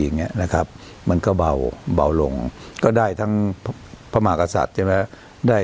อย่างงี้นะครับมันก็เปล่าลงก็ได้ทั้งผมกสาธิจรรย์แล้วได้